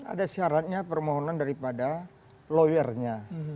ada syaratnya permohonan daripada lawyernya